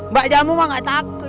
mbak jamu mah gak takut